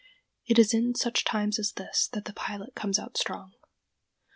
It is in such times as this that the pilot comes out strong.